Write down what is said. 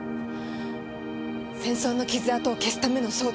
戦争の傷跡を消すための装置。